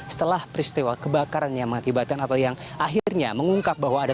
setelah peristiwa kebakaran yang mengakibatkan atau yang akhirnya mengungkap bahwa ada